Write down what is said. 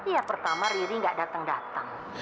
ya pertama riri gak datang datang